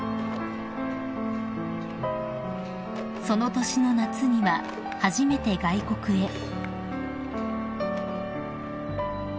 ［その年の夏には初めて外国へ］